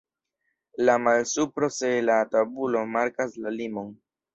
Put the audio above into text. La malsupro se la tabulo markas la limon.